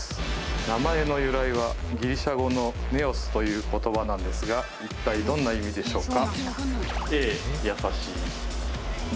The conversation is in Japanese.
名前の由来はギリシャ語の「ネオス」という言葉なんですが一体どんな意味でしょうか？